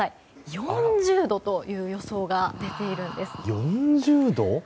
４０度という予想が出ているんです。